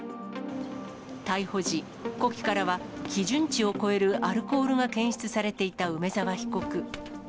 逮捕時、呼気からは基準値を超えるアルコールが検出されていた梅沢被告。